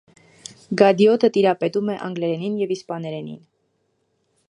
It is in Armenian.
Գադիոտը տիրապետում է անգլերենին և իսպաներենին։